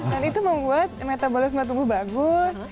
dan itu membuat metabolisme tubuh bagus